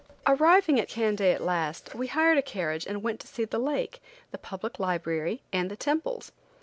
Arriving at Kandy at last, we hired a carriage and went to see the lake, the public library and the temples.